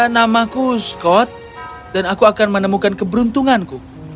namaku skot dan aku akan menemukan keberuntunganku